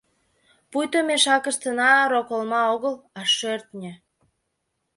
Пуйто мешакыштына роколма огыл, а шӧртньӧ.